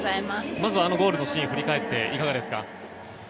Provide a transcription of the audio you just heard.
まずはゴールのシーンを振り返っていかがですか？